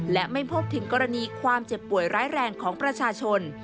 และไม่พบถึงกรณีความเจ็บป่วยร้ายแรงของประชาชน